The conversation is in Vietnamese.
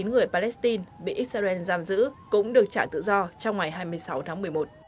chín người palestine bị israel giam giữ cũng được trả tự do trong ngày hai mươi sáu tháng một mươi một